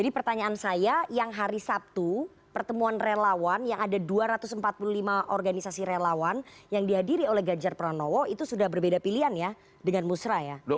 pertanyaan saya yang hari sabtu pertemuan relawan yang ada dua ratus empat puluh lima organisasi relawan yang dihadiri oleh ganjar pranowo itu sudah berbeda pilihan ya dengan musra ya